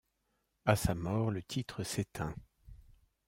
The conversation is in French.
À sa mort, le titre s'éteint.